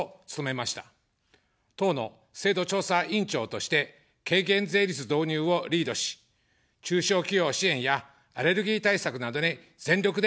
党の制度調査委員長として、軽減税率導入をリードし、中小企業支援やアレルギー対策などに全力で取り組みました。